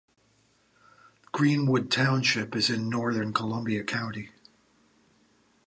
Greenwood Township is in northern Columbia County.